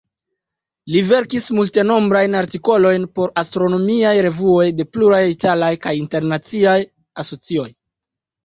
Li verkis multenombrajn artikolojn por astronomiaj revuoj de pluraj italaj kaj internaciaj asocioj.